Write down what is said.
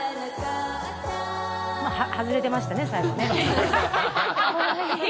外れてましたね、最後ね。